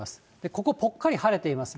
ここ、ぽっかり晴れています。